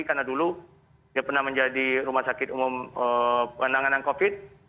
karena dulu dia pernah menjadi rumah sakit umum penanganan covid